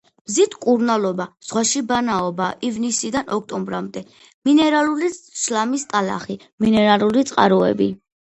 მზით მკურნალობა, ზღვაში ბანაობა ივნისიდან ოქტომბრამდე, მინერალური შლამის ტალახი, მინერალური წყაროები.